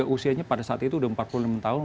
usianya pada saat itu udah empat puluh enam tahun